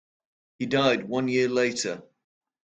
He died one year later.